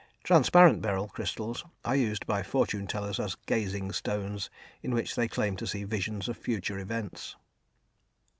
Transparent beryl crystals are used by fortune tellers as "gazing stones," in which they claim to see visions of future events.